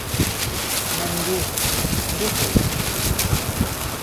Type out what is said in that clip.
Нанду, сбыҳәоит.